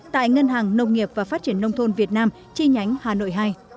tại ngân hàng nông nghiệp và phát triển nông thôn việt nam chi nhánh hà nội hai